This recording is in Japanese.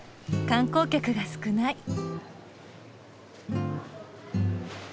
観光客が少ない。